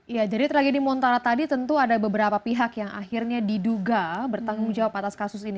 jadi tragedi montara tadi tentu ada beberapa pihak yang akhirnya diduga bertanggung jawab atas kasus ini